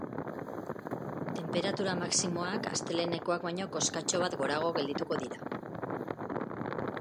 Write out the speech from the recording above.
Tenperatura maximoak astelehenekoak baino koskatxo bat gorago geldituko dira.